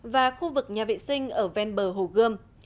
và khu vực nhà vệ sinh ở ven bờ hồ gươm